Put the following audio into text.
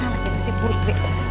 gimana sih buruk sih